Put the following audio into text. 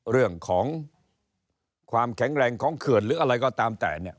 เรื่องของความแข็งแรงของเขื่อนหรืออะไรก็ตามแต่เนี่ย